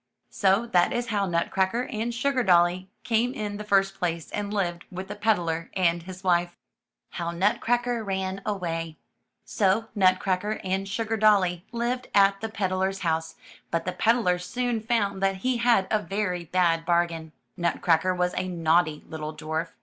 '' So that is how Nutcracker and SugardoUy came in the first place and lived with the peddler and his wife. HOW NUTCRACKER RAN AWAY So Nutcracker and SugardoUy lived at the ped dler*s house, but the peddler soon found that he had a very bad bargain. Nutcracker was a naughty little dwarf.